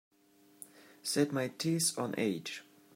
Set my teeth on edge